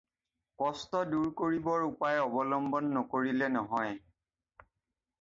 কষ্ট দূৰ কৰিবৰ উপায় অৱলম্বন নকৰিলে নহয়।